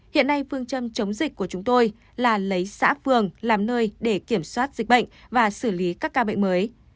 hiện nay phương châm chống dịch của chúng tôi là lấy xã phường làm nơi để kiểm soát dịch bệnh và xử lý các ca bệnh mới